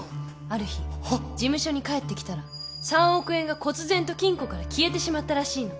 ある日事務所に帰ってきたら３億円がこつぜんと金庫から消えてしまったらしいの。